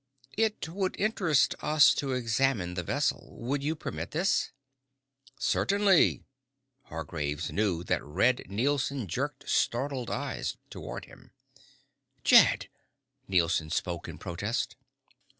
"It would interest us to examine the vessel. Would you permit this?" "Certainly." Hargraves knew that Red Nielson jerked startled eyes toward him. "Jed!" Nielson spoke in protest.